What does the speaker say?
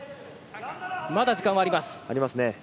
まだ時間はあります。